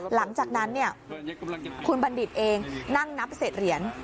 หลังจากนั้นคุณบัณฑิตเองนั่งนับเสร็จเหรียญ